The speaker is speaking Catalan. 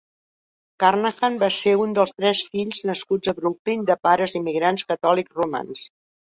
Kernaghan va ser un dels tres fills nascuts a Brooklyn de pares immigrants catòlics romans.